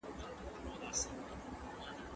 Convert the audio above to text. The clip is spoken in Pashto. که مناسب مثال وکارول سي، موضوع سخته نه ښکاري.